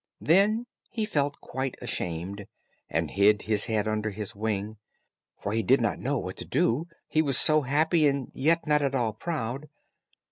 Then he felt quite ashamed, and hid his head under his wing; for he did not know what to do, he was so happy, and yet not at all proud.